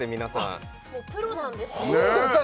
そうなんですよ